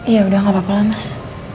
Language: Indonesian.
iya udah gapapalah mas